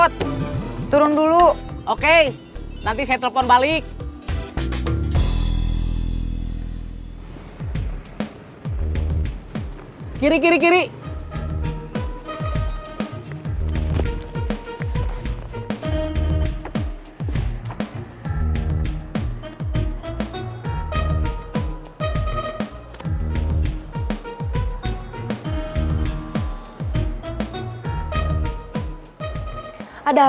barusan kamu nelfon ada apa